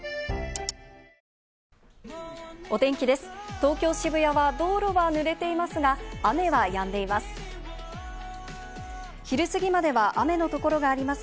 東京・渋谷は道路は濡れていますが、雨はやんでいます。